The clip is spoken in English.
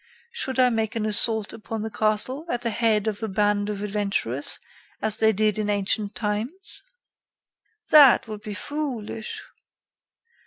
"Should I make an assault upon the castle at the head of a band of adventurers as they did in ancient times?" "That would be foolish."